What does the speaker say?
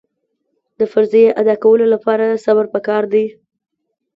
د فریضې ادا کولو لپاره صبر پکار دی.